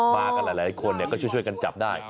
มากันหลายคนก็ช่วยกันจับได้